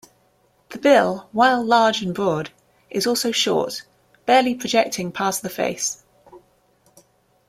The bill, while large and broad, is also short, barely projecting past the face.